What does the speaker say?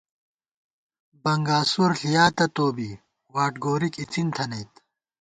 بنگاسُور ݪِیاتہ تو بی، واٹ گورِک اِڅِن تھنَئیت